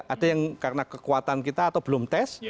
ada yang karena kekuatan kita atau belum tes